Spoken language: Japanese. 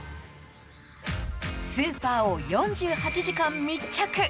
スーパーを４８時間密着！